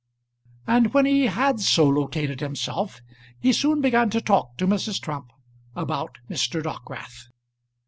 And when he had so located himself he soon began to talk to Mrs. Trump about Mr. Dockwrath.